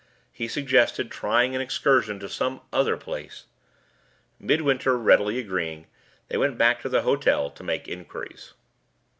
He suggested trying an excursion to some other place. Midwinter readily agreeing, they went back to the hotel to make inquiries.